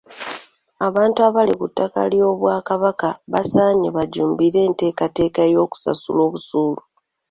Abantu abali ku ttaka ly'Obwakabaka basaanye bajjumbire enteekateeka y'okusasula busuulu.